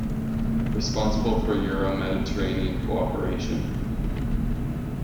Responsible for Euro-Mediterranean cooperation.